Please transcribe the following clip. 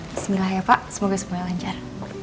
bismillah ya pak semoga semuanya lancar